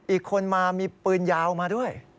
อีกคนมามีปืนยาวมาด้วย